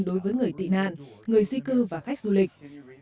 đối với người tị nạn người di cư và khách du lịch